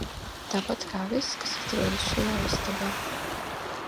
Tāpat kā viss, kas atrodas šajā istabā.